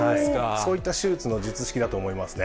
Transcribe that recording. そういった手術の術式だと思いますね。